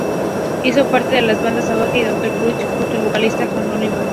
Hizo parte de las bandas Savatage y "Doctor Butcher", junto al vocalista Jon Oliva.